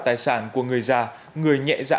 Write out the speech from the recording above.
tài sản của người già người nhẹ dạ